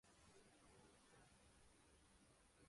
وہ نشاط آہ سحر گئی وہ وقار دست دعا گیا